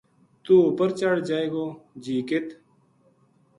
توہ اپر چڑھ جائے گو جی ک